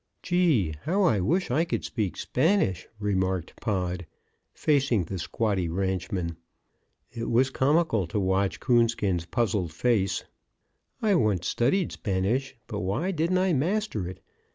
"Gee! how I wish I could speak Spanish!" remarked Pod, facing the squatty ranchman. It was comical to watch Coonskin's puzzled face. "I once studied Spanish, but why didn't I master it!